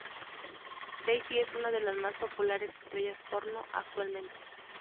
Daisy es una de las más populares estrellas porno actualmente.